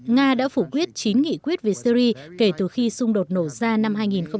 nga đã phủ quyết chín nghị quyết về syri kể từ khi xung đột nổ ra năm hai nghìn một mươi